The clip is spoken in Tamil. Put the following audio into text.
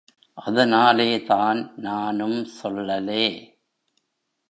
அதனாலேதான் நானும் சொல்லலே.